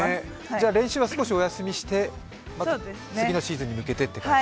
じゃ、練習は少しお休みしてまた次のシーズンに向けてということ？